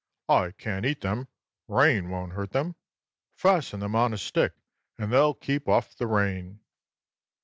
I can't eat them; rain won't hurt them. Fasten them on a stick and they'll keep off the rain."